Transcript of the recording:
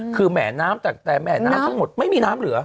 คือแหมนน้ำแตกตามแหมนน้ำทั้งหมดไม่มีน้ำเหลือ